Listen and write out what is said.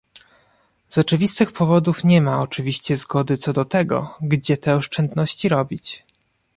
Z oczywistych powodów nie ma oczywiście zgody co do tego, gdzie te oszczędności robić